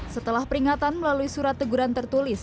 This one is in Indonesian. setelah peringatan melalui surat teguran tertulis